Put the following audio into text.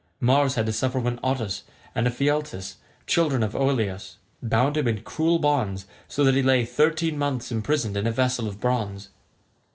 Mars had to suffer when Otus and Ephialtes, children of Aloeus, bound him in cruel bonds, so that he lay thirteen months imprisoned in a vessel of bronze.